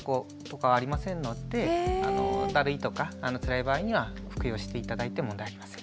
だるいとかつらい場合には服用して頂いて問題ありません。